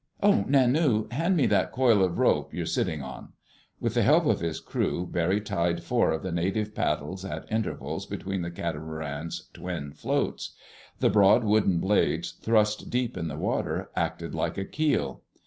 Oh, Nanu! Hand me that coil of rope you're sitting on." With the help of his crew, Barry tied four of the native paddles at intervals between the catamaran's twin floats. The broad wooden blades, thrust deep in the water, acted like a keel.